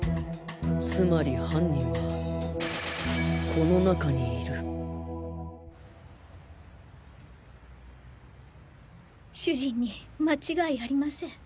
つまり犯人はこの中にいる！主人に間違いありません。